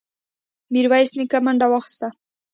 ميرويس نيکه منډه واخيسته.